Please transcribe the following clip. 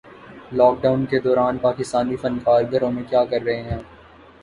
lock Dawn کے دوران پاکستانی فنکار گھروں میں کیا کررہے ہیں